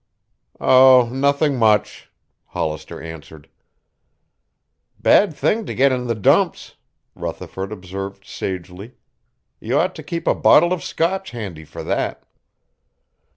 "Oh, nothing much," Hollister answered. "Bad thing to get in the dumps," Rutherford observed sagely. "You ought to keep a bottle of Scotch handy for that."